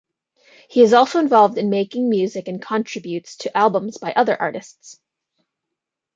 He is also involved in making music and contributes to albums by other artists.